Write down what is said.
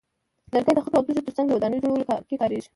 لرګي د خټو او تیږو ترڅنګ د ودانیو جوړولو کې کارېږي.